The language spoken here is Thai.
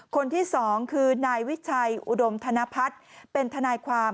คนที่สองคือนายวิชัยอุดมธนพัฒน์เป็นทนายความ